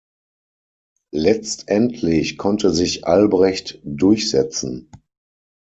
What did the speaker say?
Letztendlich konnte sich Albrecht durchsetzen.